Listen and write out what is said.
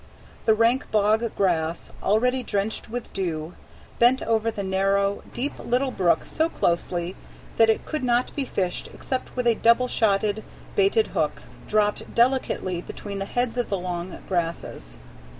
The rank bog grass, already drenched with dew, bent over the narrow, deep little brook so closely that it could not be fished except with a double shotted, baited hook, dropped delicately between the heads of the long grasses.